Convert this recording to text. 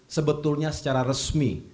sebetulnya secara resmi